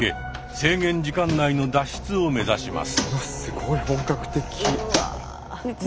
制限時間内の脱出を目指します。